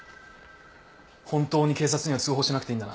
本当に警察には通報しなくていいんだな？